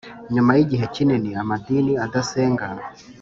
nyuma yigihe kinini amadini adasenga